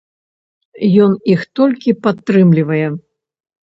Ён іх толькі падтрымлівае.